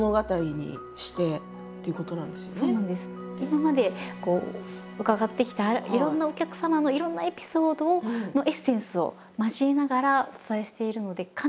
今まで伺ってきたいろんなお客様のいろんなエピソードのエッセンスを交えながらお伝えしているのでかなりリアル。